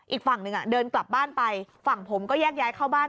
อีกฝั่งหนึ่งเดินกลับบ้านไปฝั่งผมก็แยกย้ายเข้าบ้าน